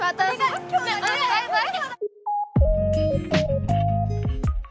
バイバイ。